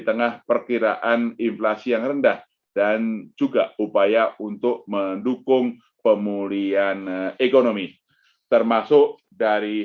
tengah perkiraan inflasi yang rendah dan juga upaya untuk mendukung pemulihan ekonomi termasuk dari